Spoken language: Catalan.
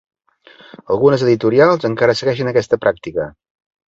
Algunes editorials encara segueixen aquesta pràctica.